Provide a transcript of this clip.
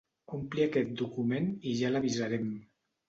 Ompli aquest document i ja l'avisarem.